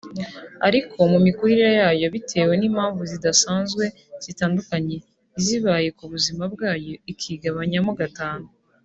ariko mu mikurire yayo bitewe n’impamvu zidasanzwe zitandukanye zibaye ku buzima bwayo ikigabanyamo gatanu